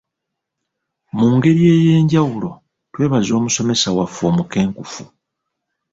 Mu ngeri ey'enjawulo twebaza omusomesa waffe omukenkufu.